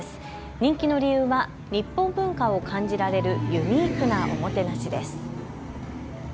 人気の理由は日本文化を感じられるユニークなおもてなしです。